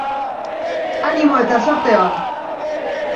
Animo eta zorte on!